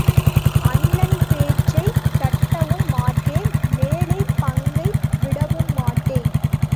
அண்ணன் பேச்சைத் தட்டவும் மாட்டேன் மேலைப் பங்கை விடவும் மாட்டேன்.